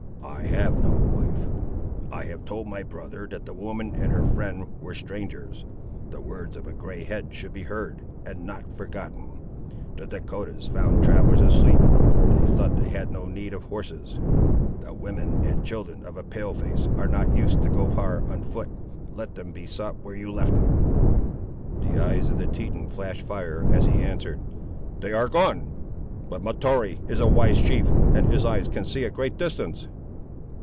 "I have no wife. I have told my brother that the woman and her friend were strangers. The words of a grey head should be heard, and not forgotten. The Dahcotahs found travellers asleep, and they thought they had no need of horses. The women and children of a Pale face are not used to go far on foot. Let them be sought where you left them." The eyes of the Teton flashed fire as he answered— "They are gone: but Mahtoree is a wise chief, and his eyes can see a great distance!"